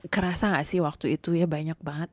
kerasa gak sih waktu itu ya banyak banget